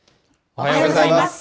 おはようございます。